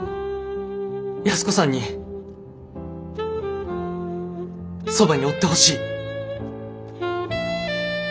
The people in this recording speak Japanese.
安子さんにそばにおってほしい。